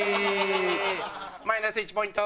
マイナス１ポイント！